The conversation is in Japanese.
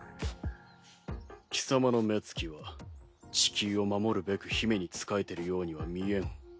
貴様の目つきは地球を守るべく姫に仕えてるようには見えん。